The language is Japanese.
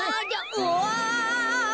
うわ。